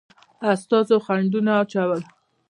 استازو خنډونه اچول.